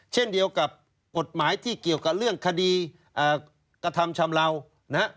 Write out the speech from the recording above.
เช่นเดียวกับกฎหมายที่เกี่ยวกับเรื่องคดีกระทำชำเลานะฮะ